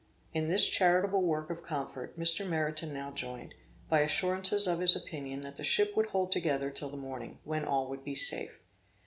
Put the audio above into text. In this charitable work of comfort, Mr. Meriton now joined, by assurances of his opinion, that the ship would hold together till the morning, when all would be safe.